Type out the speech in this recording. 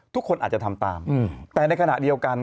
ทุกคนอาจจะทำตามแต่ในขณะเดียวกัน